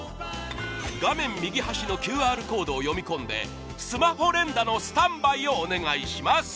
画面右端のＱＲコードを読み込んでスマホ連打のスタンバイをお願いします